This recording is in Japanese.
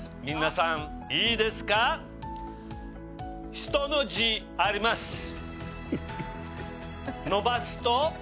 皆さんいいですか「人」の字あります